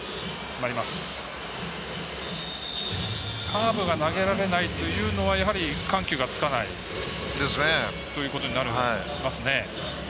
カーブが投げられないというのはやはり、緩急がつかないということになりますね。